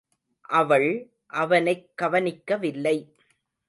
அவள், அவனைக் கவனிக்கவில்லை.